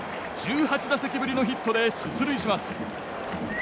１８打席ぶりのヒットで出塁します。